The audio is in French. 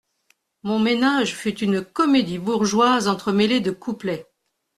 Mon ménage fut une comédie bourgeoise entremêlée de couplets.